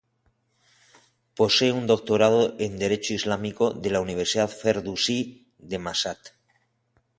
Posee un doctorado en Derecho islámico de la Universidad Ferdousí de Mashhad.